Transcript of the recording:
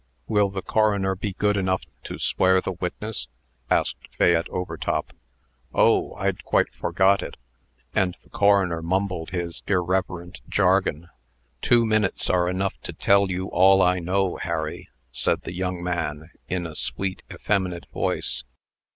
"Will the coroner be good enough to swear the witness?" asked Fayette Overtop. "Oh! I'd quite forgot it." And the coroner mumbled his irreverent jargon. "Two minutes are enough to tell you all I know, Harry," said the young man, in a sweet, effeminate voice.